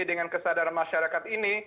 dengan kesadaran masyarakat ini